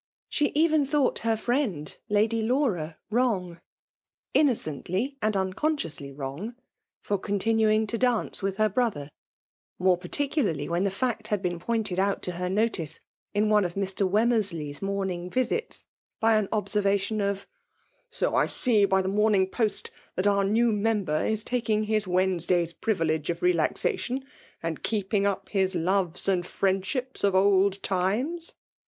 She even thought her friend Lady Laura wrong, innocently and unconsciously wrong, for continuing to dance with her brother; more particularly when the &ct had been pointed out to her notice in one of Mr. Wem meisley's monung visits by an ofaeervatkm of '^ So I see, by the Morning Post, that our new Member is taking his Wednesday a privilege of relaxation, and keeping up his loves and friendships of old times